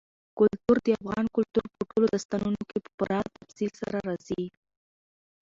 کلتور د افغان کلتور په ټولو داستانونو کې په پوره تفصیل سره راځي.